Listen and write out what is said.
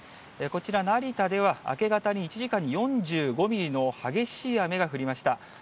こちら、成田では明け方に１時間に４５ミリの激しい雨が降りました。